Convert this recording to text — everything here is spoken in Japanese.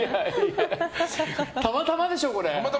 たまたまでしょ、これ！